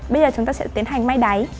bây giờ chúng ta sẽ tiến hành may đáy